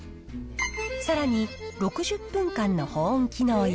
さらに、６０分間の保温機能や、